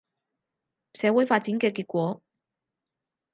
社會發展嘅結果